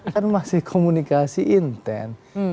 kan masih komunikasi intent